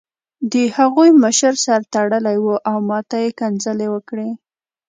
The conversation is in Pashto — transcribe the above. د هغوی مشر سر تړلی و او ماته یې کنځلې وکړې